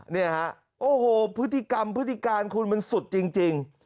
เนี่ยฮะโอ้โหพฤติกรรมพฤติการคุณมันสุดจริง